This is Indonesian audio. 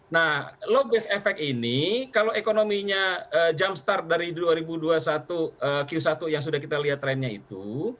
nah low base effect ini kalau ekonominya jumpstart dari q satu dua ribu dua puluh satu yang sudah kita lihat trennya itu